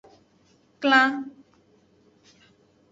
Klan.